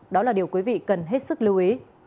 đó là điều quý vị cần hết sức lưu ý